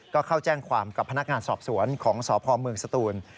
ก็เข้าแจ้งความกับพนักงานสอบสวนของสพเมืองสตูน